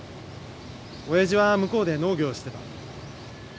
親父は向こうで農業をしてた。